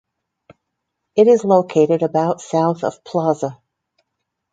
It is located about south of Plaza.